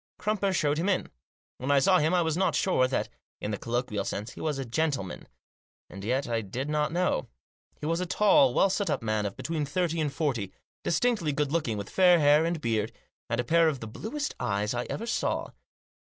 Crumper showed him in. When I saw him I was not sure that, in the colloquial sense, he was a gentle man. And yet I did not know. He was a tall, well set up man of between thirty and forty, distinctly good looking, with fair hair and beard, and a pair of the bluest eyes I ever saw.